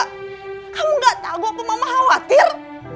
kamu gak tahu aku mama khawatir